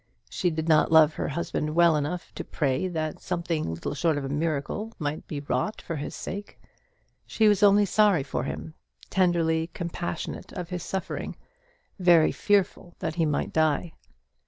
She did not love her husband well enough to pray that something little short of a miracle might be wrought for his sake. She was only sorry for him; tenderly compassionate of his suffering; very fearful that he might die.